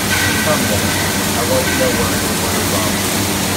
Come, then, I want to know where those letters are.